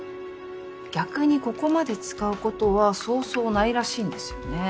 逆にここまで使うことはそうそうないらしいんですよね。